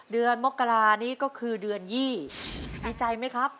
เดือนโมกรานี่ก็คือเดือนยี่ดีใจไหมครับ